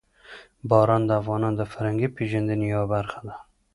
باران د افغانانو د فرهنګي پیژندنې یوه برخه ده.